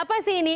apa sih ini